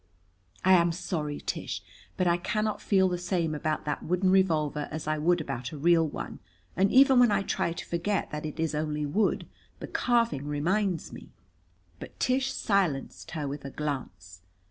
"I am sorry, Tish, but I cannot feel the same about that wooden revolver as I would about a real one. And even when I try to forget that it is only wood the carving reminds me." But Tish silenced her with a glance.